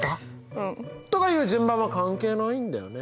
うん。とかいう順番は関係ないんだよね。